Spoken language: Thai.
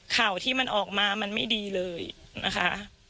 ข่าวที่มันออกมามันไม่ดีเลยนะคะ